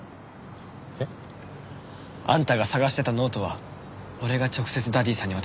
えっ？あんたが捜してたノートは俺が直接ダディさんに渡す。